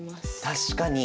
確かに。